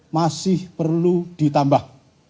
masih perlu ditambah